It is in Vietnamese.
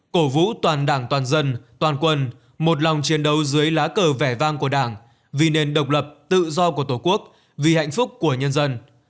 cổ vũ toàn đảng toàn dân toàn quân một lòng chiến đấu dưới lá cờ vẻ vang của đảng vì nền độc lập tự do của tổ quốc vì hạnh phúc của nhân dân